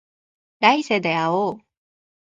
来世で会おう